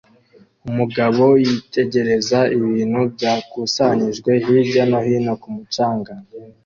Umugabo yitegereza ibintu byakusanyirijwe hirya no hino ku mucanga